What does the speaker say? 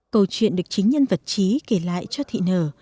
câu chuyện được chính nhân vật trí kể lại cho thị nở